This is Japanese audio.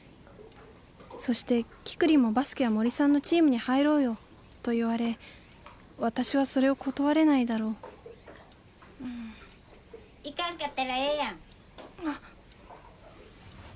そして「キクリンもバスケは森さんのチームに入ろうよ」と言われ私はそれを断れないだろう行かんかったらええやん！